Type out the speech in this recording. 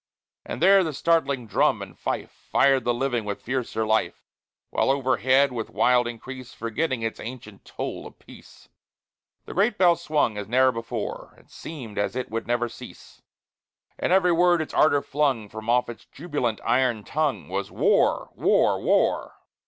And there the startling drum and fife Fired the living with fiercer life; While overhead, with wild increase, Forgetting its ancient toll of peace, The great bell swung as ne'er before. It seemed as it would never cease; And every word its ardor flung From off its jubilant iron tongue Was, "War! war! war!"